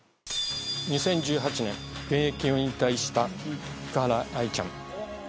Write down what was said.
２０１８年現役を引退した福原愛ちゃん。